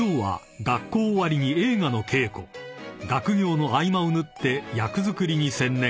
［学業の合間を縫って役作りに専念］